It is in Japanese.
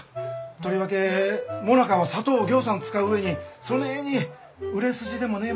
とりわけもなかは砂糖をぎょうさん使う上にそねえに売れ筋でもねえ